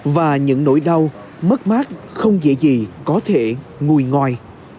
và những nỗi đau mất mát không dễ gì có thể ngồi ngoài